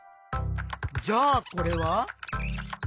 じゃあこれは？